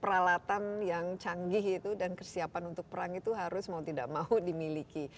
peralatan yang canggih itu dan kesiapan untuk perang itu harus mau tidak mau dimiliki